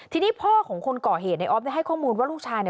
ทีนี้พ่อของคุณเกาะเหตุนายออฟให้ข้อมูลว่าลูกชาย